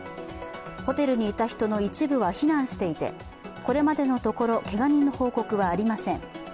ホテルにいた人の一部は避難していて、これまでのところけが人の報告はありません。